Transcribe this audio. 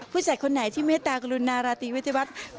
ผู้จัดคนไหนที่เมตตากรุณาราธิวิทยาวัฒนธรรม